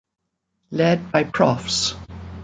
Led by Profs.